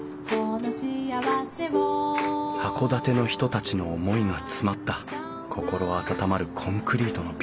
函館の人たちの思いが詰まった心温まるコンクリートのビル。